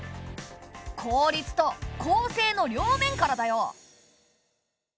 効率と公正の両面からだよ。